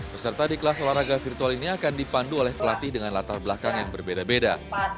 peserta di kelas olahraga virtual ini akan dipandu oleh pelatih dengan latar belakang yang berbeda beda